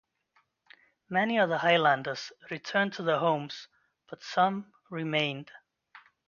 Many of the Highlanders returned to their homes, but some remained.